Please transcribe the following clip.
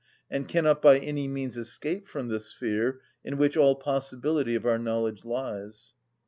and cannot by any means escape from this sphere in which all possibility of our knowledge lies.